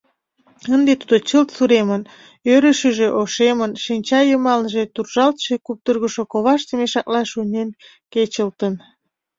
Ынде тудо чылт суремын, ӧрышыжӧ ошемын, шинча йымалныже туржалтше-куптыргышо коваште мешакла шуйнен кечылтын.